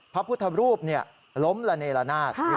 พระพุทธรูปล้มละเนละนาด